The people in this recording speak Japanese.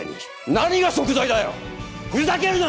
何がしょく罪だよふざけるな！